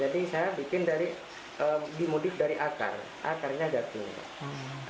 jadi saya bikin dari dimudik dari akar akarnya jatuh